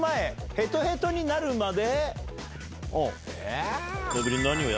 ヘトヘトになるまで？